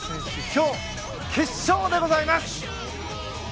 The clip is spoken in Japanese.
今日、決勝でございます。